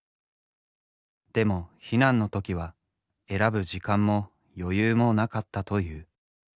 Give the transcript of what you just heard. でも避難の時は選ぶ時間も余裕もなかったという。